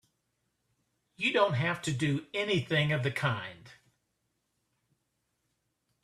You don't have to do anything of the kind!